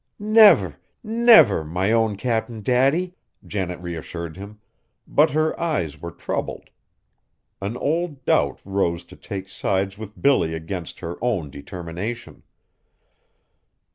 "Never! never! my own Cap'n Daddy!" Janet reassured him, but her eyes were troubled. An old doubt rose to take sides with Billy against her own determination.